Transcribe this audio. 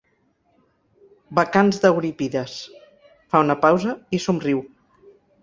Bacants d'Eurípides –fa una pausa i somriu–.